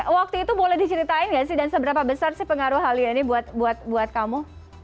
waktu itu boleh diceritain gak sih dan seberapa besar sih pengaruh hal ya ini buat kamu